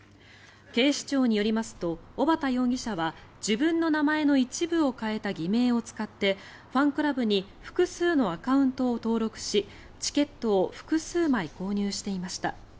警視庁によりますと小幡容疑者は自分の名前の一部を変えた偽名を使って、ファンクラブに複数のアカウントを登録しチケットを複数枚購入していました。